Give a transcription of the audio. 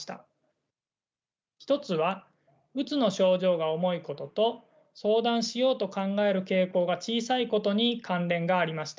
１つはうつの症状が重いことと相談しようと考える傾向が小さいことに関連がありました。